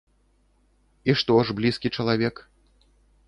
І што ж блізкі чалавек?